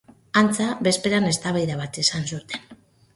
Antza, bezperan eztabaida bat izan zuten.